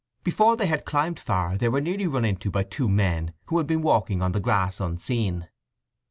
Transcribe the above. Before they had climbed far they were nearly run into by two men who had been walking on the grass unseen.